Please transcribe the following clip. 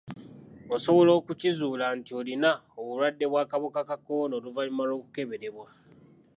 Osobala okukizuula nti olina obulwadde bw'akawuka ka kolona oluvannyuma lw'okukeberebwa.